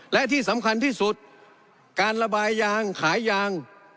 และที่สำคัญที่สุดการระบายยางขายยาง